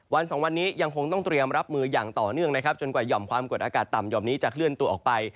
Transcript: สองวันนี้ยังคงต้องเตรียมรับมืออย่างต่อเนื่องนะครับจนกว่าหย่อมความกดอากาศต่ำห่อมนี้จะเคลื่อนตัวออกไป